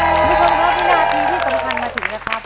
คุณผู้ชมครับวินาทีที่สำคัญมาถึงนะครับ